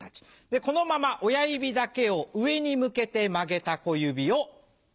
このまま親指だけを上に向けて曲げた小指を。